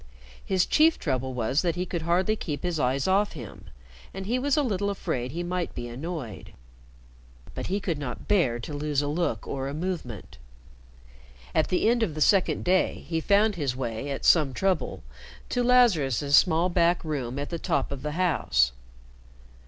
His chief trouble was that he could hardly keep his eyes off him, and he was a little afraid he might be annoyed. But he could not bear to lose a look or a movement. At the end of the second day, he found his way, at some trouble, to Lazarus's small back room at the top of the house.